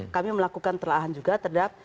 kami melakukan telahan juga terhadap